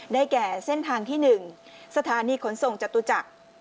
แก่เส้นทางที่๑สถานีขนส่งจตุจักร